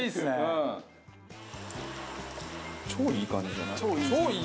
超いい感じじゃない？